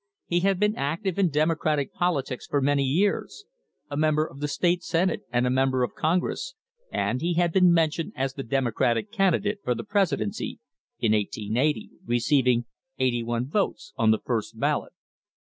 He had been active in Demo cratic politics for many years a member of the state Senate and a member of Congress, and he had been mentioned as the Democratic candidate for the presidency in 1880, receiving eighty one votes on the first ballot.